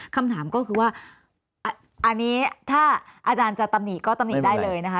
คำถามก็คือว่าอันนี้ถ้าอาจารย์จะตำหนิก็ตำหนิได้เลยนะคะ